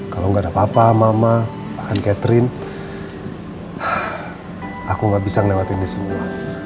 kalau nggak ada papa mama bahkan catherine aku nggak bisa ngelewatin di semua